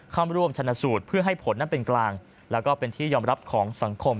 เข้าร่วมชนสูตรเพื่อให้ผลนั้นเป็นกลางแล้วก็เป็นที่ยอมรับของสังคม